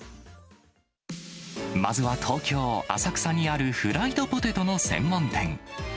まずは東京・浅草にあるフライドポテトの専門店。